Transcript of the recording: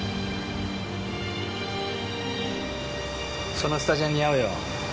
そのスタジャン似合うよ。